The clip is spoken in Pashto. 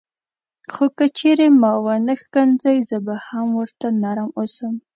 خو که چیرې ما ونه ښکنځي زه به هم ورته نرم اوسم.